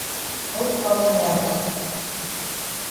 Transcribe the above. No flop me haus.